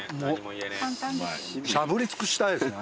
しゃぶり尽くしたいですね。